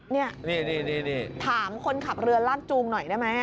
นี่ถามคนขับเรือลากจูงหน่อยได้ไหม